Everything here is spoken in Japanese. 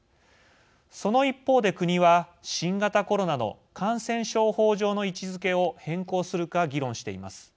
その一方で国は新型コロナの感染症法上の位置づけを変更するか議論しています。